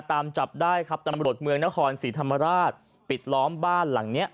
ตามจับได้ครับตำรวจเมืองนครศรีธรรมราชปิดล้อมบ้านหลังเนี้ย